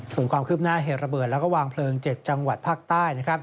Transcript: ส่วนความคืบหน้าเหตุระเบิดและวางเพลิง๗จังหวัดภาคใต้